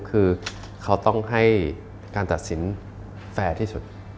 คือเขาต้องให้การตัดสินแฟร์ที่สุด